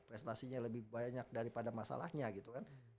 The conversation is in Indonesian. prestasinya lebih banyak daripada masalahnya gitu kan